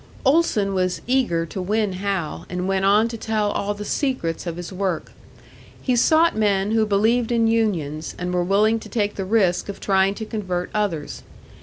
Olson was eager to win Hal, and went on to tell all the secrets of his work. He sought men who believed in unions, and were willing to take the risk of trying to convert others.